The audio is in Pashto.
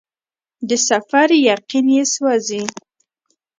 د سفر یقین یې سوزي